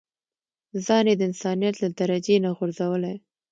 ځان يې د انسانيت له درجې نه غورځولی.